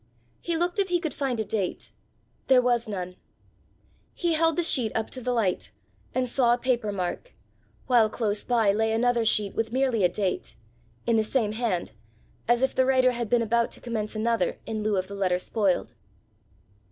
He looked if he could find a date; there was none. He held the sheet up to the light, and saw a paper mark; while close by lay another sheet with merely a date in the same hand, as if the writer had been about to commence another in lieu of the letter spoiled.